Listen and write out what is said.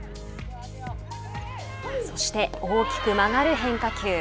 そして、大きく曲がる変化球。